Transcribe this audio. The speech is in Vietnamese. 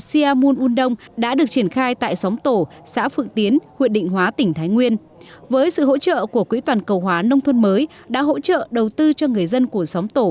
simaun undong là phong trào làng mới của hàn quốc